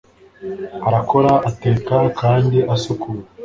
arakora, ateka, kandi asukura